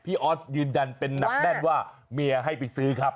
ออสยืนยันเป็นหนักแน่นว่าเมียให้ไปซื้อครับ